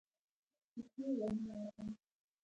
پکښې ورننوتم.